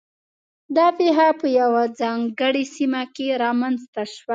دا پېښه په یوه ځانګړې سیمه کې رامنځته شوه.